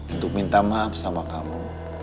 untuk minta maaf sama kamu